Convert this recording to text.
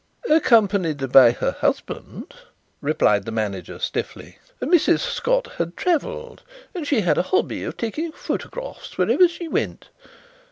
"Accompanied by her husband," replied the manager stiffly. "Mrs. Scott had travelled and she had a hobby of taking photographs wherever she went.